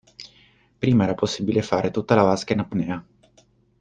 Prima era possibile fare tutta la vasca in apnea.